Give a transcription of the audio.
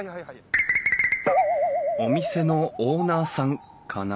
お店のオーナーさんかな？